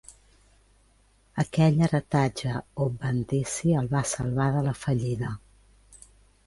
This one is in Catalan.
Aquell heretatge obventici el va salvar de la fallida.